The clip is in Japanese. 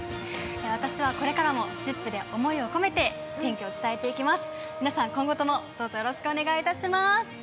私はこれからもＺＩＰ！で想いを込めて天気を伝えていきます。